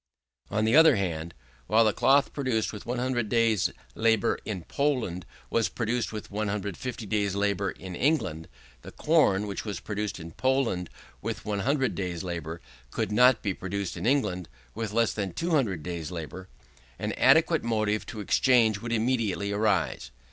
"If, on the other hand, while the cloth produced with 100 days' labour in Poland was produced with 150 days' labour in England, the corn which was produced in Poland with 100 days' labour could not be produced in England with less than 200 days' labour; an adequate motive to exchange would immediately arise.